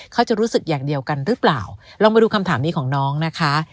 เขาจะรู้สึกอย่างเดียวกันหรือเปล่าลองมาดูคำถามนี้ของน้องนะคะ